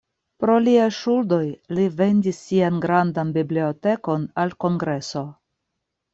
Pro liaj ŝuldoj, li vendis sian grandan bibliotekon al Kongreso.